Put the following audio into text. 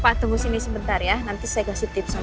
pak tunggu sini sebentar ya nanti saya kasih tips